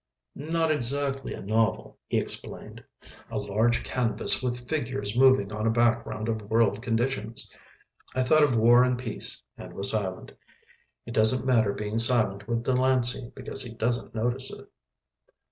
"Not exactly a novel," he explained, "a large canvas with figures moving on a back ground of world conditions." I thought of "War and Peace" and was silent. It doesn't matter being silent with Delancey because he doesn't notice it.